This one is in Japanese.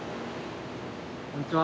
こんにちは。